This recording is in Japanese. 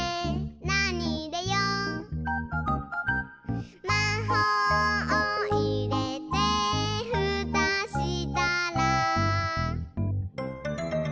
「なにいれよう？」「まほうをいれてふたしたら」